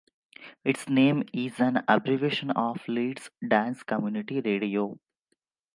Its name is an abbreviation of Leeds Dance Community Radio.